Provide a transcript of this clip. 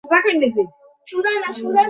আমার দাদার দাদা গাছটা লাগিয়েছিল।